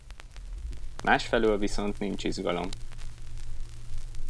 Másfelől viszont nincs izgalom.